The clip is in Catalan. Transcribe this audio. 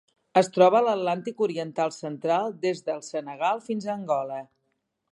Es troba a l'Atlàntic oriental central: des del Senegal fins a Angola.